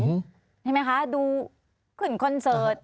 เห็นไหมคะดูขึ้นคอนเสิร์ต